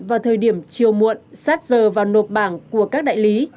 vào thời điểm chiều muộn sát giờ và nộp bảng của các đại lý